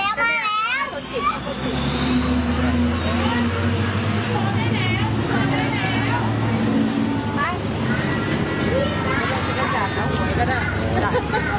อีกใบหนึ่ง